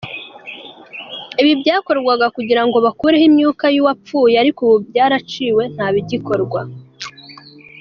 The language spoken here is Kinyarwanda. Ibi byakorwaga kugirango bakureho imyuka yuwa pfuye, ariko ubu byaraciwe ntibigikorwa.